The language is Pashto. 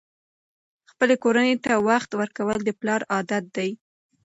خپلې کورنۍ ته وخت ورکول د پلار عادت دی.